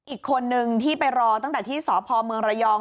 อีกคนนึงที่ไปรอตั้งแต่ที่สพเมืองระยอง